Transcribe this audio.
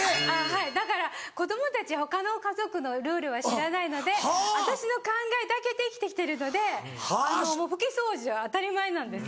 はいだから子供たち他の家族のルールは知らないので私の考えだけで生きてきてるので拭き掃除は当たり前なんです。